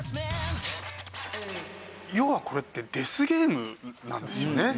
要はこれってデスゲームなんですよね！